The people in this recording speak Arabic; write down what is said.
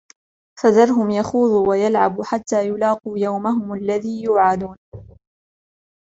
فَذَرْهُمْ يَخُوضُوا وَيَلْعَبُوا حَتَّى يُلاقُوا يَوْمَهُمُ الَّذِي يُوعَدُونَ